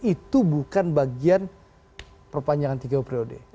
itu bukan bagian perpanjangan tiga periode